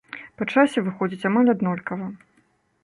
Па часе выходзіць амаль аднолькава.